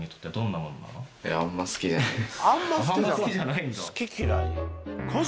あんま好きじゃないんだ。